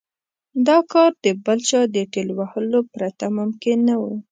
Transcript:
دا کار د بل چا د ټېل وهلو پرته ممکن نه و.